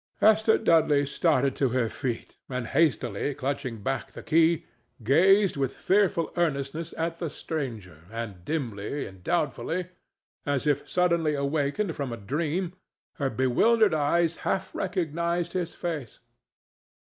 Esther Dudley started to her feet, and, hastily clutching back the key, gazed with fearful earnestness at the stranger, and dimly and doubtfully, as if suddenly awakened from a dream, her bewildered eyes half recognized his face.